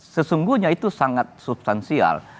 sesungguhnya itu sangat substansial